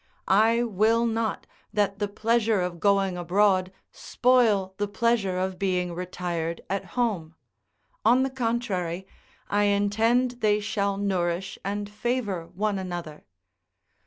I will not that the pleasure of going abroad spoil the pleasure of being retired at home; on the contrary, I intend they shall nourish and favour one another.